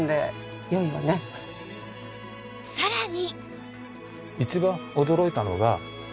さらに